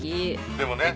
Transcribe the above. でもね。